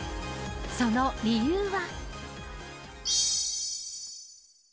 その理由は。